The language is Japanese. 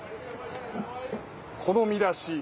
この見出し。